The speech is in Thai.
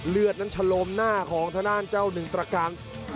เลือดนั้นชะโลมหน้าของทางด้านเจ้าหนึ่งตรการ